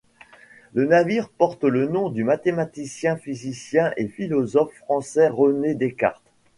Le navire porte le nom du mathématicien, physicien et philosophe français René Descartes.